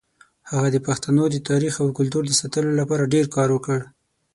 هغه د پښتنو د تاریخ او کلتور د ساتلو لپاره ډېر کار وکړ.